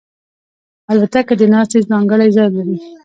الوتکه د ناستې ځانګړی ځای لري.